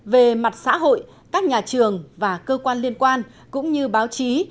về mặt xã hội các nhà trường và cơ quan liên quan cũng như báo chí